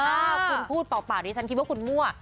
ถ้าคุณพูดเปล่าดิฉันคิดว่าคุณมั่ว